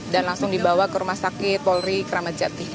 dan langsung dibawa ke rumah sakit polri kramatjati